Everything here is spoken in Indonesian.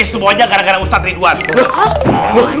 semuanya gara gara ustadz ridwan